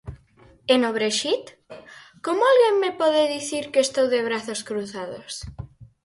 E no Brexit, ¿como alguén me pode dicir que estou de brazos cruzados?